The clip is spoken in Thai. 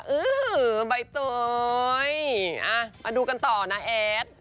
อื้อใบเตยมาดูกันต่อนะแอด